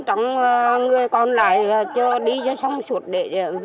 trong người còn lại cho đi cho xong suốt để về với gia đình chứ